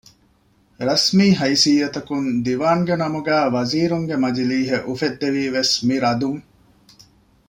ރަސްމީ ހައިސިއްޔަތަކުން ދީވާންގެ ނަމުގައި ވަޒީރުންގެ މަޖިލީހެއް އުފެއްދެވީވެސް މި ރަދުން